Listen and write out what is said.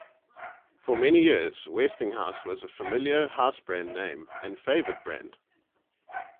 For many years Westinghouse was a familiar household name and favored brand.